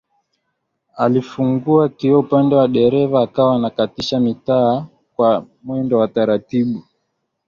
Alifungua kioo upande wa dereva akawa anakatisha mitaa kwa mwendo wa taratibu